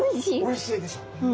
おいしいでしょ。